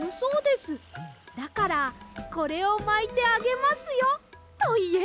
だからこれをまいてあげますよといえば。